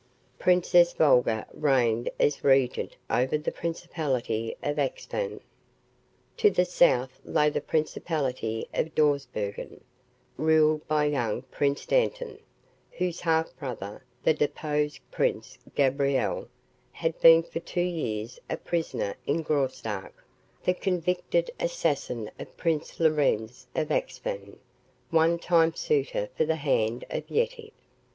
Princess Volga reigned as regent over the principality of Axphain. To the south lay the principality of Dawsbergen, ruled by young Prince Dantan, whose half brother, the deposed Prince Gabriel, had been for two years a prisoner in Graustark, the convicted assassin of Prince Lorenz, of Axphain, one time suitor for the hand of Yetive.